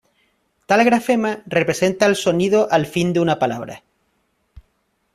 Tal grafema representa al sonido al fin de una palabra.